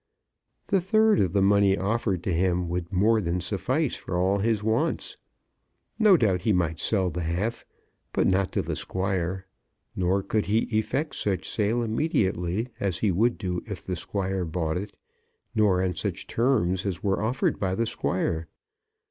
The third of the money offered to him would more than suffice for all his wants. No doubt he might sell the half, but not to the Squire, nor could he effect such sale immediately as he would do if the Squire bought it, nor on such terms as were offered by the Squire.